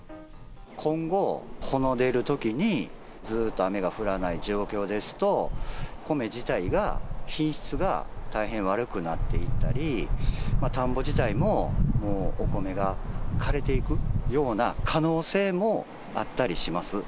今後、穂の出るときに、ずっと雨が降らない状況ですと、米自体が品質が大変悪くなっていったり、田んぼ自体ももうお米が枯れていくような可能性もあったりします。